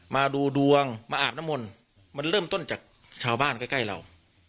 มาดูดวงมาอาบน้ำมนต์มันเริ่มต้นจากชาวบ้านใกล้เรา